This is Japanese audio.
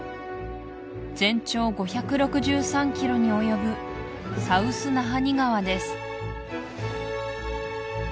全長５６３ｋｍに及ぶサウス・ナハニ川です